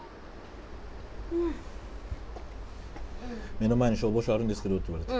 目の前に消防署あるんですけどって言われて。